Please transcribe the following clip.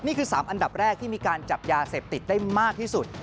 นี่คือ๓อันดับแรกที่มีการจับยาเสพติดได้มากที่สุด